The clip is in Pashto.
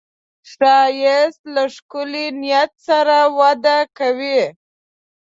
ښایست له ښکلي نیت سره وده کوي